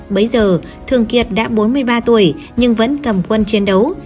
bấy giờ thường kiệt đã bốn mươi ba tuổi nhưng vẫn cầm quân chiến đấu